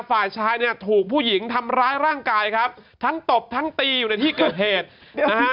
ฝ่ายชายเนี่ยถูกผู้หญิงทำร้ายร่างกายครับทั้งตบทั้งตีอยู่ในที่เกิดเหตุนะฮะ